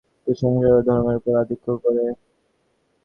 কুসংস্কারই ধর্মের ওপর আধিপত্য করে।